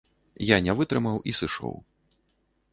Я не вытрымаў і сышоў.